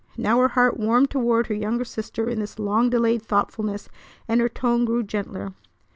Now her heart warmed toward her younger sister in this long delayed thoughtfulness, and her tone grew gentler.